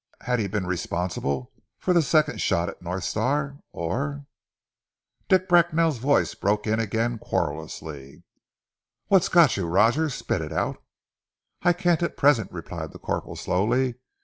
Had he been responsible for that second shot at North Star? Or Dick Bracknell's voice broke in again querulously. "What's got you, Roger! Spit it out!" "I can't at present," replied the corporal slowly.